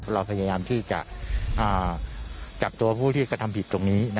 เราพยายามที่จะจับตัวผู้ที่กระทำผิดตรงนี้